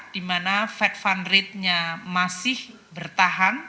di mana fat fund rate nya masih bertahan